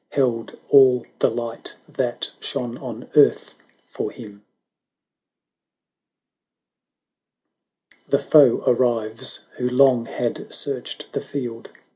Held all the light that shone on earth for him. The foe arrives, who long had searched the field.